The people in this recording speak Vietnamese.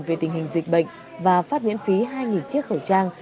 về tình hình dịch bệnh và phát miễn phí hai chiếc khẩu trang